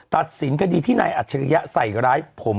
ตัดสินคดีที่นายอัจฉริยะใส่ร้ายผม